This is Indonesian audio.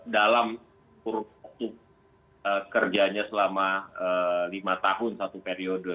dalam kurutu kerjanya selama lima tahun satu periode